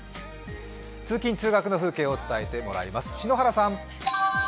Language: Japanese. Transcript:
通勤・通学の風景を伝えてもらいます。